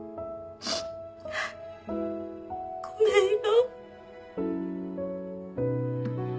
ごめんよ。